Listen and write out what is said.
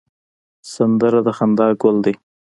سندره د خندا ګل ده